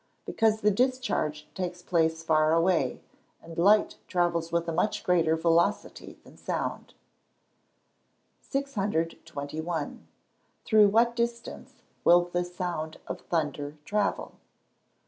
_ Because the discharge takes place far away, and light travels with a much greater velocity than sound. 621. _Through what distance will the sound of thunder travel?